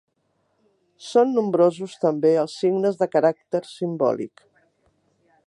Són nombrosos també els signes de caràcter simbòlic.